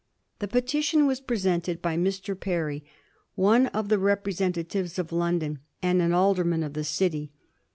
The petition was presented by Mr. Perry, one of the representa tives of London, and an alderman of the City.